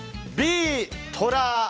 Ｂ、トラ。